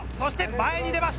前に出ました。